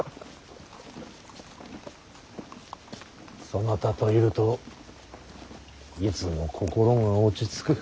そなたといるといつも心が落ち着く。